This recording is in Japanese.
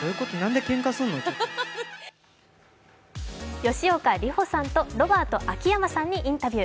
吉岡里帆さんとロバート秋山さんにインタビュー。